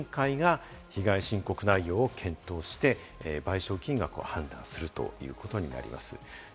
この委員会が被害申告内容を検討して、賠償金額を判断するということになります。